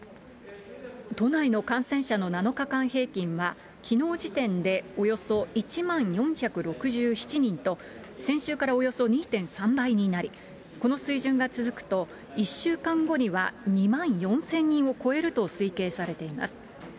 都内の感染者の７日間平均は、きのう時点で、およそ１万４６７人と、先週からおよそ２．３倍になり、この水準が続くと、１週間後には２万４０００人を超えると推計されています。